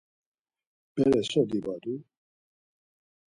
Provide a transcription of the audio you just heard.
Bere so dibadu?